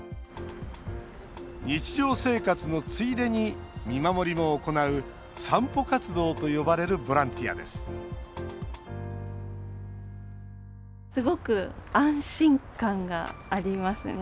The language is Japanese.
日常生活のついでに見守りを行うサンポ活動と呼ばれるボランティアです